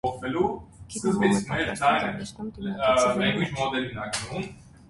Կինը մոմ է պատրաստում և լցնում դիմակի ձևի մեջ։